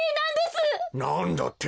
なんだって？